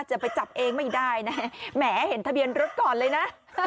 จะไปจับเองไม่ได้นะแหมเห็นทะเบียนรถก่อนเลยนะ